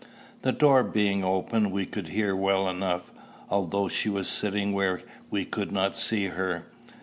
The door being open, we could hear well enough, although she was sitting where we could not see her.